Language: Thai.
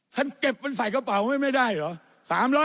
เก็บมันใส่กระเป๋าไว้ไม่ได้เหรอ